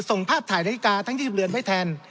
ส่งภาพถ่ายนาฬิกาทั้ง๒๐เรือนไว้แทน